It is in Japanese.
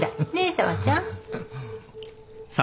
紗和ちゃん。